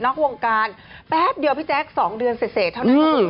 นอกวงการแป๊บเดี๋ยวพี่แจ๊กสองเดือนเสร็จเสร็จเท่านั้น